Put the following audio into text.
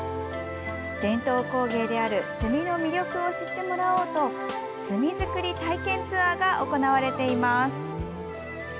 伝統工芸である墨の魅力を知ってもらおうと墨づくり体験ツアーが行われています。